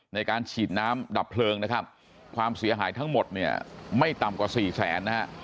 ในการฉีดน้ำดับเพลิงนะครับความเสียหายทั้งหมดเนี่ยไม่ต่ำกว่าสี่แสนนะฮะ